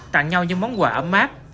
tặng nhau những món quà ấm mát